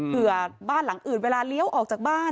บ้านหลังอื่นเวลาเลี้ยวออกจากบ้าน